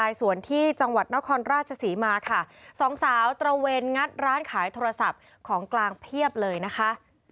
สวนที่จังหวัดนครราชศรีมาค่ะสองสาวตระเวนงัดร้านขายโทรศัพท์ของกลางเพียบเลยนะคะ